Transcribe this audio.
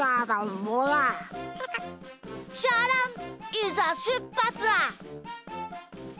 いざしゅっぱつだ！